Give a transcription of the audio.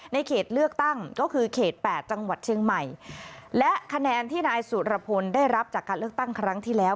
ในเขตเลือกตั้งก็คือเขตแปดจังหวัดเชียงใหม่และคะแนนที่นายสุรพลได้รับจากการเลือกตั้งครั้งที่แล้ว